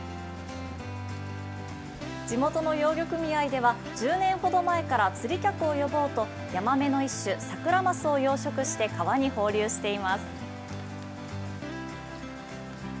地元の養魚組合では１０年ほど前から釣り客を呼ぼうと、ヤマメの一種、サクラマスを養殖して川に放流しています。